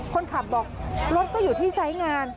คนขับบอกรถก็อยู่ที่ไซส์งาน